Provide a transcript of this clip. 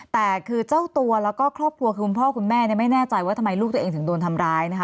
แต่คือเจ้าตัวแล้วก็ครอบครัวคือคุณพ่อคุณแม่ไม่แน่ใจว่าทำไมลูกตัวเองถึงโดนทำร้ายนะคะ